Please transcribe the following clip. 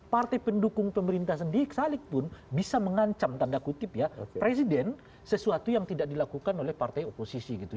tidak mendukung pemerintah sendiri salingpun bisa mengancam tanda kutip ya presiden sesuatu yang tidak dilakukan oleh partai oposisi gitu